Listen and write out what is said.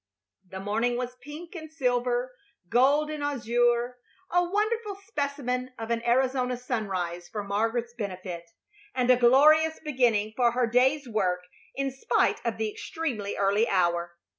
The morning was pink and silver, gold and azure, a wonderful specimen of an Arizona sunrise for Margaret's benefit, and a glorious beginning for her day's work in spite of the extremely early hour.